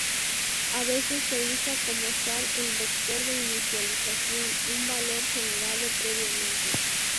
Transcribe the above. A veces se usa como sal el vector de inicialización, un valor generado previamente.